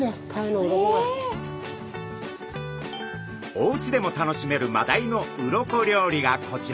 おうちでも楽しめるマダイの鱗料理がこちら。